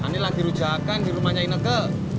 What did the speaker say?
ini lagi rujakan di rumahnya ineke